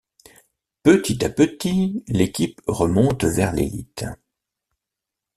Petit à petit, l'équipe remonte vers l'élite.